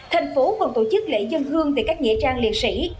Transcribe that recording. thành phố còn tổ chức lễ dân hương từ các nhệ trang liệt sĩ